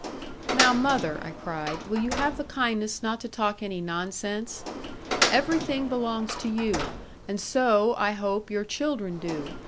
'Now, mother,' I cried; 'will you have the kindness not to talk any nonsense? Everything belongs to you; and so, I hope, your children do.